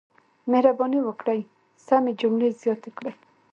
مهرباني وکړئ سمې جملې زیاتې کړئ.